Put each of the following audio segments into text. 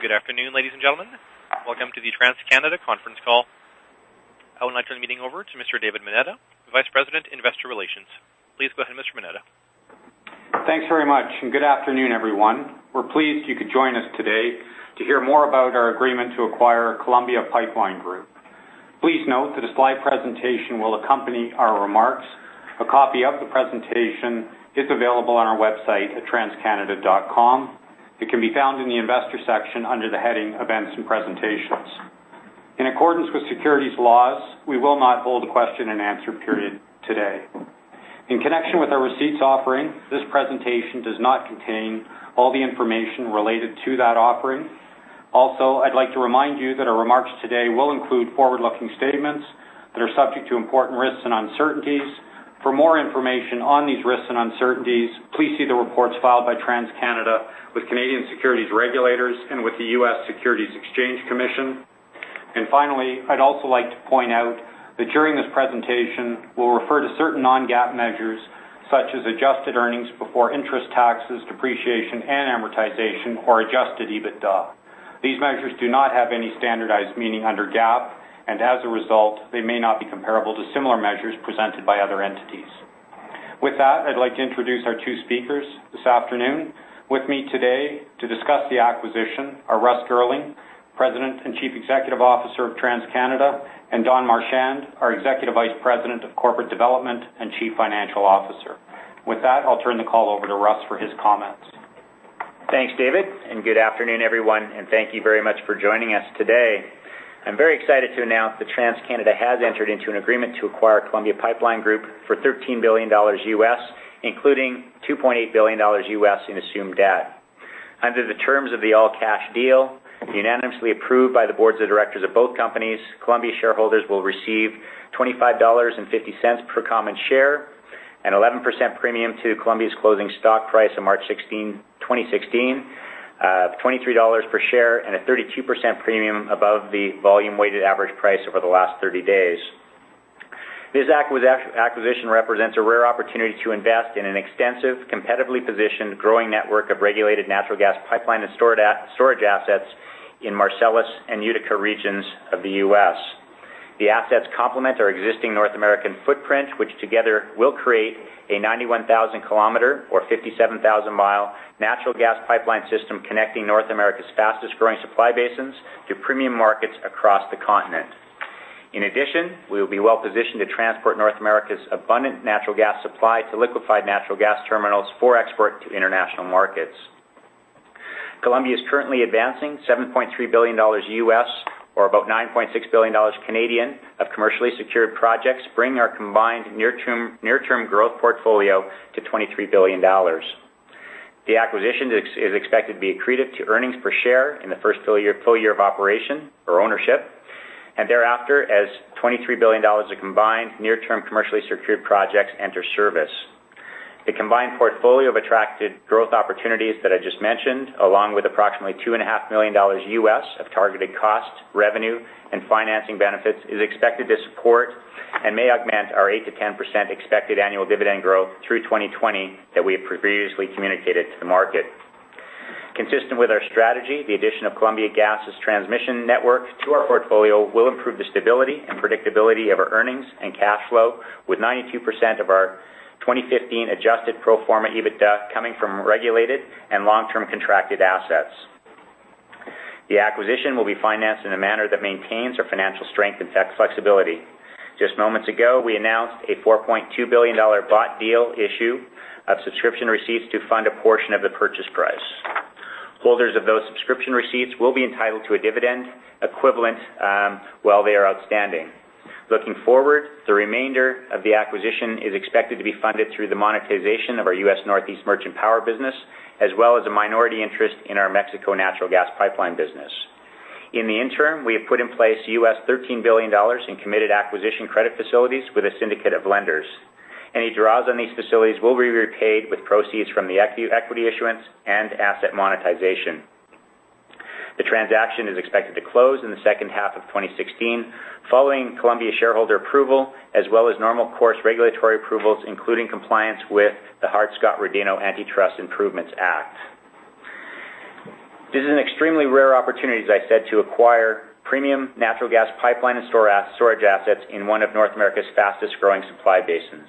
Good afternoon, ladies and gentlemen. Welcome to the TransCanada conference call. I would like to turn the meeting over to Mr. David Moneta, Vice President, Investor Relations. Please go ahead, Mr. Moneta. Thanks very much. Good afternoon, everyone. We're pleased you could join us today to hear more about our agreement to acquire Columbia Pipeline Group. Please note that a slide presentation will accompany our remarks. A copy of the presentation is available on our website at transcanada.com. It can be found in the investor section under the heading Events and Presentations. In accordance with securities laws, we will not hold a question and answer period today. In connection with our receipts offering, this presentation does not contain all the information related to that offering. I'd like to remind you that our remarks today will include forward-looking statements that are subject to important risks and uncertainties. For more information on these risks and uncertainties, please see the reports filed by TransCanada with Canadian securities regulators and with the U.S. Securities and Exchange Commission. Finally, I'd also like to point out that during this presentation, we'll refer to certain non-GAAP measures, such as adjusted earnings before interest, taxes, depreciation, and amortization, or adjusted EBITDA. These measures do not have any standardized meaning under GAAP, and as a result, they may not be comparable to similar measures presented by other entities. With that, I'd like to introduce our two speakers this afternoon. With me today to discuss the acquisition are Russ Girling, President and Chief Executive Officer of TransCanada, and Don Marchand, our Executive Vice President of Corporate Development and Chief Financial Officer. With that, I'll turn the call over to Russ for his comments. Thanks, David. Good afternoon, everyone. Thank you very much for joining us today. I'm very excited to announce that TransCanada has entered into an agreement to acquire Columbia Pipeline Group for $13 billion US, including $2.8 billion US in assumed debt. Under the terms of the all-cash deal, unanimously approved by the boards of directors of both companies, Columbia shareholders will receive 25.50 dollars per common share, an 11% premium to Columbia's closing stock price on March 16, 2016, 23 dollars per share, and a 32% premium above the volume-weighted average price over the last 30 days. This acquisition represents a rare opportunity to invest in an extensive, competitively positioned, growing network of regulated natural gas pipeline and storage assets in Marcellus and Utica regions of the U.S. The assets complement our existing North American footprint, which together will create a 91,000-kilometer or 57,000-mile natural gas pipeline system connecting North America's fastest-growing supply basins to premium markets across the continent. In addition, we will be well-positioned to transport North America's abundant natural gas supply to liquefied natural gas terminals for export to international markets. Columbia is currently advancing $7.3 billion US, or about 9.6 billion Canadian dollars, of commercially secured projects, bringing our combined near-term growth portfolio to 23 billion dollars. The acquisition is expected to be accretive to earnings per share in the first full year of operation or ownership, and thereafter, as 23 billion dollars of combined near-term commercially secured projects enter service. The combined portfolio of attractive growth opportunities that I just mentioned, along with approximately $2.5 million of targeted cost, revenue, and financing benefits, is expected to support and may augment our 8%-10% expected annual dividend growth through 2020 that we have previously communicated to the market. Consistent with our strategy, the addition of Columbia Gas' transmission network to our portfolio will improve the stability and predictability of our earnings and cash flow, with 92% of our 2015 adjusted pro forma EBITDA coming from regulated and long-term contracted assets. The acquisition will be financed in a manner that maintains our financial strength and tax flexibility. Just moments ago, we announced a 4.2 billion dollar bought deal issue of subscription receipts to fund a portion of the purchase price. Holders of those subscription receipts will be entitled to a dividend equivalent while they are outstanding. Looking forward, the remainder of the acquisition is expected to be funded through the monetization of our U.S. Northeast merchant power business, as well as a minority interest in our Mexico natural gas pipeline business. In the interim, we have put in place U.S. $13 billion in committed acquisition credit facilities with a syndicate of lenders. Any draws on these facilities will be repaid with proceeds from the equity issuance and asset monetization. The transaction is expected to close in the second half of 2016, following Columbia shareholder approval, as well as normal course regulatory approvals, including compliance with the Hart-Scott-Rodino Antitrust Improvements Act. This is an extremely rare opportunity, as I said, to acquire premium natural gas pipeline and storage assets in one of North America's fastest-growing supply basins.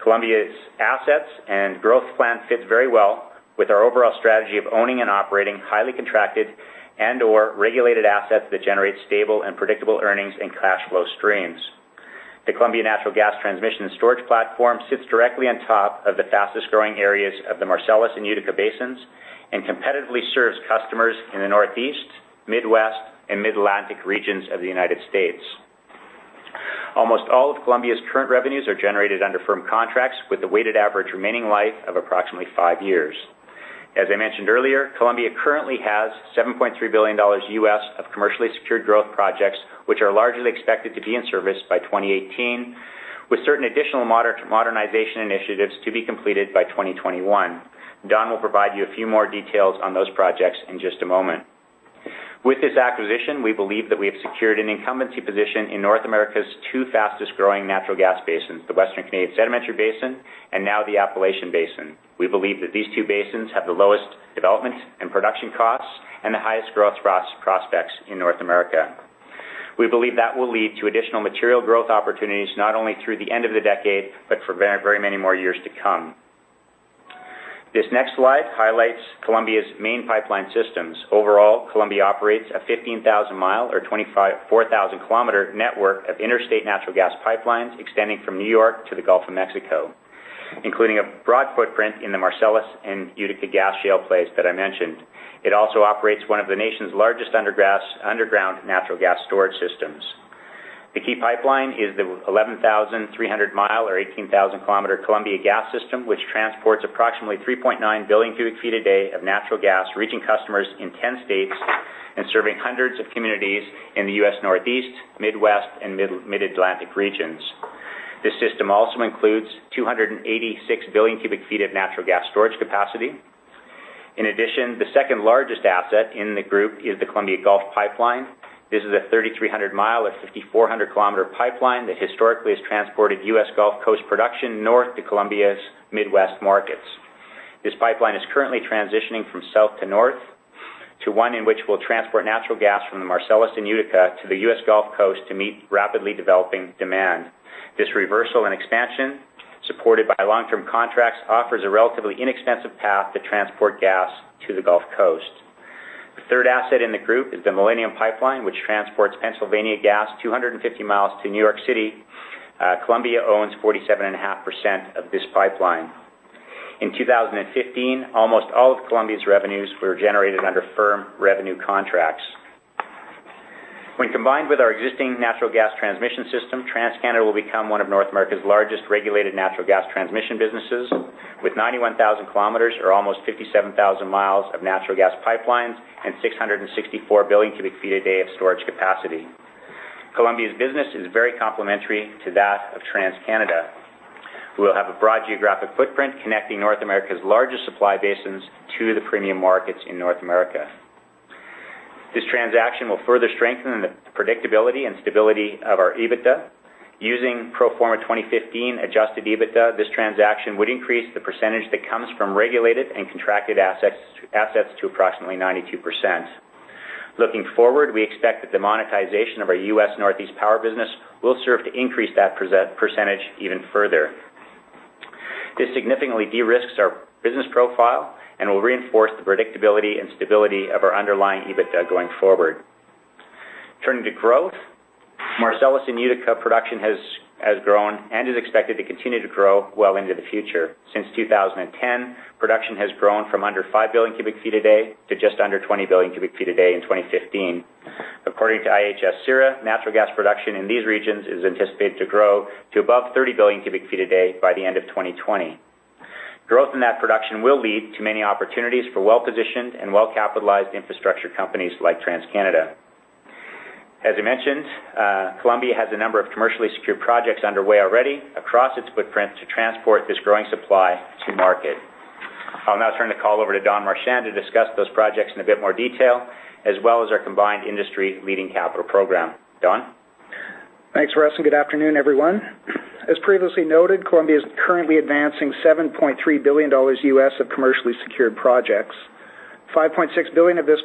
Columbia's assets and growth plan fits very well with our overall strategy of owning and operating highly contracted and/or regulated assets that generate stable and predictable earnings and cash flow streams. The Columbia natural gas transmission storage platform sits directly on top of the fastest-growing areas of the Marcellus and Utica basins and competitively serves customers in the Northeast, Midwest, and Mid-Atlantic regions of the U.S. Almost all of Columbia's current revenues are generated under firm contracts with a weighted average remaining life of approximately five years. As I mentioned earlier, Columbia currently has $7.3 billion US of commercially secured growth projects, which are largely expected to be in service by 2018, with certain additional modernization initiatives to be completed by 2021. Don will provide you a few more details on those projects in just a moment. With this acquisition, we believe that we have secured an incumbency position in North America's two fastest-growing natural gas basins, the Western Canadian Sedimentary Basin and now the Appalachian Basin. We believe that these two basins have the lowest development and production costs and the highest growth prospects in North America. We believe that will lead to additional material growth opportunities, not only through the end of the decade, but for very many more years to come. This next slide highlights Columbia's main pipeline systems. Overall, Columbia operates a 15,000-mile or 24,000-kilometer network of interstate natural gas pipelines extending from New York to the Gulf of Mexico, including a broad footprint in the Marcellus and Utica gas shale plays that I mentioned. It also operates one of the nation's largest underground natural gas storage systems. The key pipeline is the 11,300-mile or 18,000-kilometer Columbia Gas System, which transports approximately 3.9 billion cubic feet a day of natural gas, reaching customers in 10 states and serving hundreds of communities in the U.S. Northeast, Midwest, and Mid-Atlantic regions. This system also includes 286 billion cubic feet of natural gas storage capacity. In addition, the second-largest asset in the group is the Columbia Gulf Pipeline. This is a 3,300-mile or 5,400-kilometer pipeline that historically has transported U.S. Gulf Coast production north to Columbia's Midwest markets. This pipeline is currently transitioning from south to north to one in which we'll transport natural gas from the Marcellus and Utica to the U.S. Gulf Coast to meet rapidly developing demand. This reversal and expansion, supported by long-term contracts, offers a relatively inexpensive path to transport gas to the Gulf Coast. The third asset in the group is the Millennium Pipeline, which transports Pennsylvania gas 250 miles to New York City. Columbia owns 47.5% of this pipeline. In 2015, almost all of Columbia's revenues were generated under firm revenue contracts. When combined with our existing natural gas transmission system, TransCanada will become one of North America's largest regulated natural gas transmission businesses with 91,000 kilometers or almost 57,000 miles of natural gas pipelines and 664 billion cu ft/day of storage capacity. Columbia's business is very complementary to that of TransCanada, who will have a broad geographic footprint connecting North America's largest supply basins to the premium markets in North America. This transaction will further strengthen the predictability and stability of our adjusted EBITDA. Using pro forma 2015 adjusted EBITDA, this transaction would increase the percentage that comes from regulated and contracted assets to approximately 92%. Looking forward, we expect that the monetization of our U.S. Northeast power business will serve to increase that percentage even further. This significantly de-risks our business profile and will reinforce the predictability and stability of our underlying EBITDA going forward. Turning to growth, Marcellus and Utica production has grown and is expected to continue to grow well into the future. Since 2010, production has grown from under 5 billion cubic feet a day to just under 20 billion cubic feet a day in 2015. According to IHS CERA, natural gas production in these regions is anticipated to grow to above 30 billion cubic feet a day by the end of 2020. Growth in that production will lead to many opportunities for well-positioned and well-capitalized infrastructure companies like TransCanada. As I mentioned, Columbia has a number of commercially secured projects underway already across its footprint to transport this growing supply to market. I'll now turn the call over to Don Marchand to discuss those projects in a bit more detail, as well as our combined industry-leading capital program. Don. Thanks, Russ, and good afternoon, everyone. As previously noted, Columbia's currently advancing $7.3 billion U.S. of commercially secured projects. $5.6 billion of this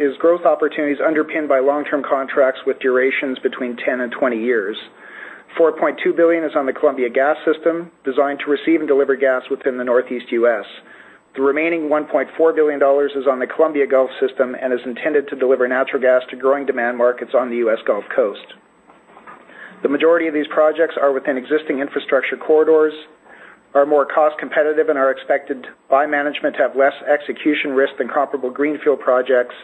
is growth opportunities underpinned by long-term contracts with durations between 10 and 20 years. $4.2 billion is on the Columbia Gas system, designed to receive and deliver gas within the Northeast U.S. The remaining $1.4 billion is on the Columbia Gulf system and is intended to deliver natural gas to growing demand markets on the U.S. Gulf Coast. The majority of these projects are within existing infrastructure corridors, are more cost-competitive, and are expected by management to have less execution risk than comparable greenfield projects,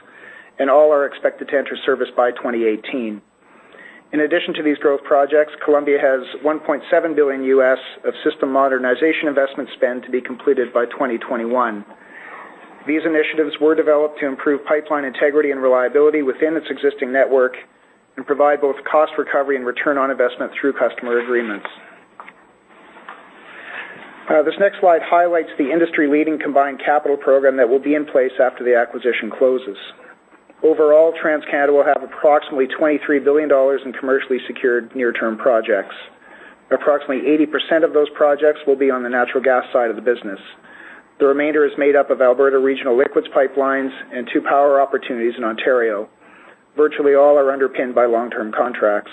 and all are expected to enter service by 2018. In addition to these growth projects, Columbia has $1.7 billion U.S. of system modernization investment spend to be completed by 2021. These initiatives were developed to improve pipeline integrity and reliability within its existing network and provide both cost recovery and return on investment through customer agreements. This next slide highlights the industry-leading combined capital program that will be in place after the acquisition closes. Overall, TransCanada will have approximately 23 billion dollars in commercially secured near-term projects. Approximately 80% of those projects will be on the natural gas side of the business. The remainder is made up of Alberta regional liquids pipelines and two power opportunities in Ontario. Virtually all are underpinned by long-term contracts.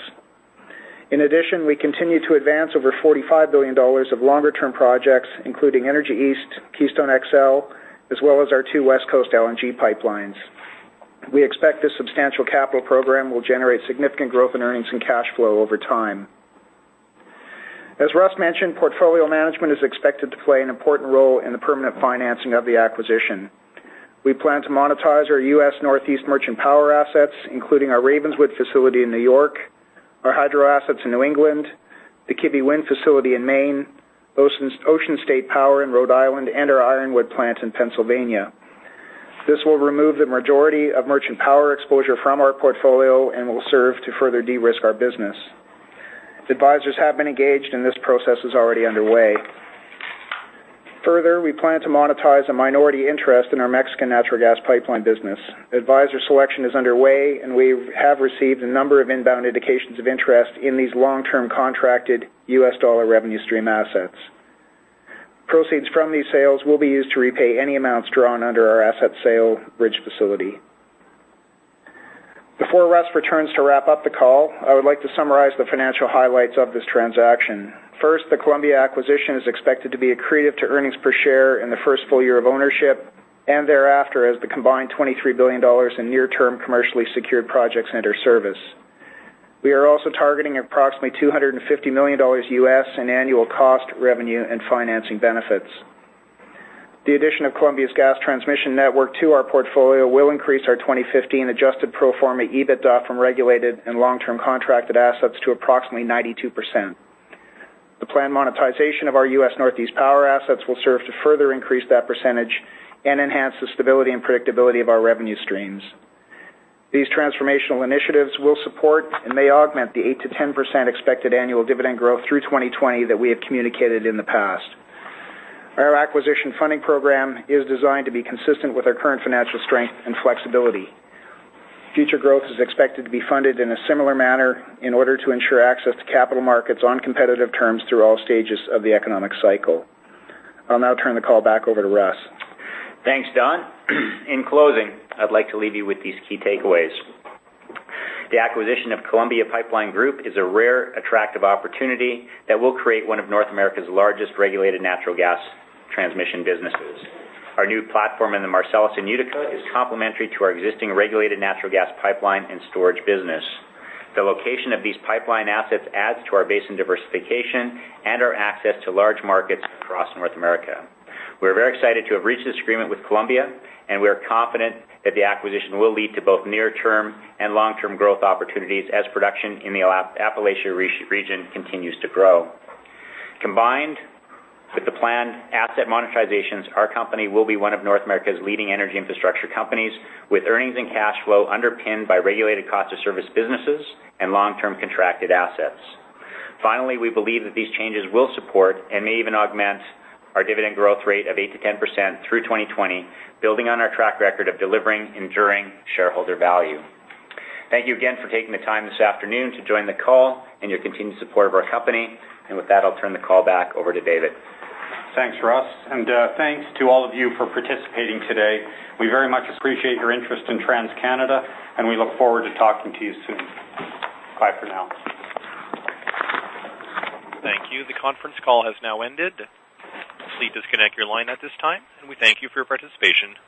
In addition, we continue to advance over 45 billion dollars of longer-term projects, including Energy East, Keystone XL, as well as our two West Coast LNG pipelines. We expect this substantial capital program will generate significant growth in earnings and cash flow over time. As Russ mentioned, portfolio management is expected to play an important role in the permanent financing of the acquisition. We plan to monetize our U.S. Northeast merchant power assets, including our Ravenswood facility in New York, our hydro assets in New England, the Kibby Wind facility in Maine, Ocean State Power in Rhode Island, and our Ironwood plant in Pennsylvania. This will remove the majority of merchant power exposure from our portfolio and will serve to further de-risk our business. Advisors have been engaged, and this process is already underway. We plan to monetize a minority interest in our Mexican natural gas pipeline business. Advisor selection is underway, and we have received a number of inbound indications of interest in these long-term contracted U.S. dollar revenue stream assets. Proceeds from these sales will be used to repay any amounts drawn under our asset sale bridge facility. Before Russ returns to wrap up the call, I would like to summarize the financial highlights of this transaction. First, the Columbia acquisition is expected to be accretive to earnings per share in the first full year of ownership, and thereafter, as the combined 23 billion dollars in near-term commercially secured projects enter service. We are also targeting approximately $250 million in annual cost, revenue, and financing benefits. The addition of Columbia Gas transmission network to our portfolio will increase our 2015 adjusted pro forma EBITDA from regulated and long-term contracted assets to approximately 92%. The planned monetization of our U.S. Northeast power assets will serve to further increase that percentage and enhance the stability and predictability of our revenue streams. These transformational initiatives will support and may augment the 8%-10% expected annual dividend growth through 2020 that we have communicated in the past. Our acquisition funding program is designed to be consistent with our current financial strength and flexibility. Future growth is expected to be funded in a similar manner in order to ensure access to capital markets on competitive terms through all stages of the economic cycle. I'll now turn the call back over to Russ. Thanks, Don. In closing, I'd like to leave you with these key takeaways. The acquisition of Columbia Pipeline Group is a rare, attractive opportunity that will create one of North America's largest regulated natural gas transmission businesses. Our new platform in the Marcellus and Utica is complementary to our existing regulated natural gas pipeline and storage business. The location of these pipeline assets adds to our basin diversification and our access to large markets across North America. We're very excited to have reached this agreement with Columbia, and we are confident that the acquisition will lead to both near-term and long-term growth opportunities as production in the Appalachia region continues to grow. Combined with the planned asset monetizations, our company will be one of North America's leading energy infrastructure companies, with earnings and cash flow underpinned by regulated cost of service businesses and long-term contracted assets. Finally, we believe that these changes will support and may even augment our dividend growth rate of 8%-10% through 2020, building on our track record of delivering enduring shareholder value. Thank you again for taking the time this afternoon to join the call and your continued support of our company. With that, I'll turn the call back over to David. Thanks, Russ, and thanks to all of you for participating today. We very much appreciate your interest in TransCanada, and we look forward to talking to you soon. Bye for now. Thank you. The conference call has now ended. Please disconnect your line at this time, and we thank you for your participation.